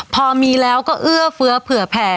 พอมีแล้วก็เอื้อเฟื้อเผื่อแผ่